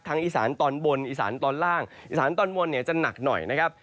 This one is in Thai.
อีสานตอนบนอีสานตอนล่างอีสานตอนบนเนี่ยจะหนักหน่อยนะครับ